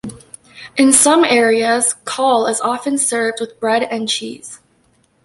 In some areas cawl is often served with bread and cheese.